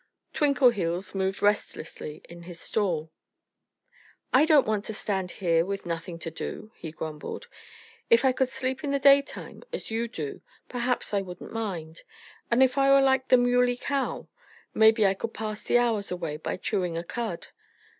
Twinkleheels moved restlessly in his stall. "I don't want to stand here with nothing to do," he grumbled. "If I could sleep in the daytime, as you do, perhaps I wouldn't mind. And if I were like the Muley Cow maybe I could pass the hours away by chewing a cud.